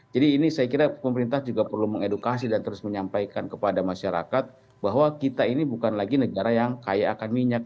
jadi ini saya kira pemerintah juga perlu mengedukasi dan terus menyampaikan kepada masyarakat bahwa kita ini bukan lagi negara yang kaya akan minyak